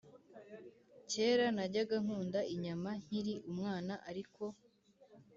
Kera najyaga nkunda inyama nkiri umwana ariko